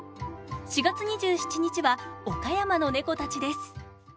４月２７日は岡山の猫たちです。